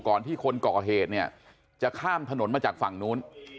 ที่คนก่อเหตุเนี่ยจะข้ามถนนมาจากฝั่งนู้น